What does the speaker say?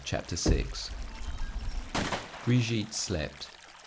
CHAPTER VI BRIGITTE slept.